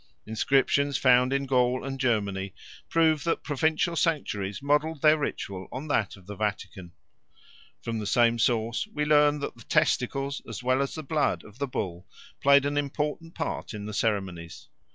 Inscriptions found in Gaul and Germany prove that provincial sanctuaries modelled their ritual on that of the Vatican. From the same source we learn that the testicles as well as the blood of the bull played an important part in the ceremonies.